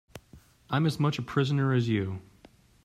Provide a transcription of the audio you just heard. I'm as much a prisoner as you.